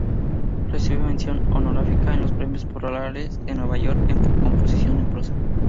Recibe Mención Honorífica en los Premios Florales de Nueva York en composición en prosa.